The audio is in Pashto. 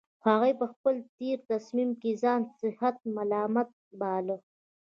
هغوی په خپل تېر تصميم کې ځان سخت ملامت باله